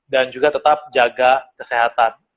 dan juga tetap jaga kesehatan